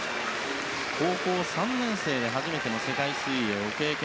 高校３年生で初めての世界水泳を経験。